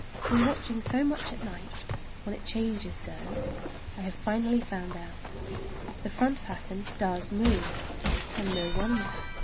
Through watching so much at night, when it changes so, I have finally found out. The front pattern does move—and no wonder!